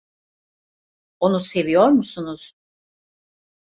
Onu seviyor musunuz?